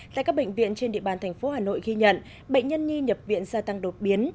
tại các bệnh viện trên địa bàn thành phố hà nội ghi nhận bệnh nhân nhi nhập viện gia tăng đột biến